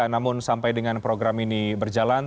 namun sampai dengan program ini berjalan